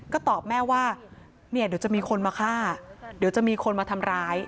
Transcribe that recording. ก็ตอบแม่ว่าเนี่ยเดี๋ยวจะมีคนมาฆ่าเดี๋ยวจะมีคนมาทำร้าย